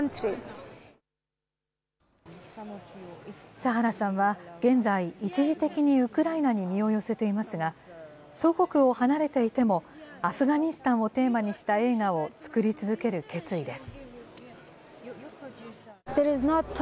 サハラさんは現在、一時的にウクライナに身を寄せていますが、祖国を離れていてもアフガニスタンをテーマにした映画を作り続ける決意です。